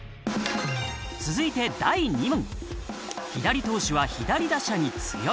続いて第２問。